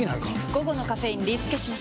午後のカフェインリスケします！